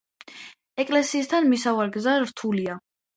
ეკლესიასთან მისასვლელი გზა რთულია.